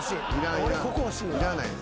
俺ここ欲しいわ。